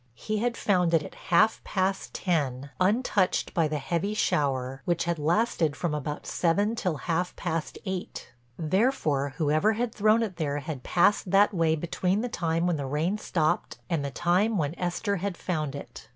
He had found it at half past ten, untouched by the heavy shower, which had lasted from about seven till half past eight. Therefore, whoever had thrown it there had passed that way between the time when the rain stopped and the time when Esther had found it.